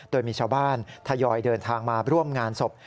โดยมีชาวบ้านทยอยเดินทางมาร่วมงานศพ